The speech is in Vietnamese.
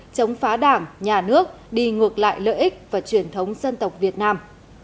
chống phá đảng nhà nước đi ngược lại lợi ích và truyền thống dân tộc việt nam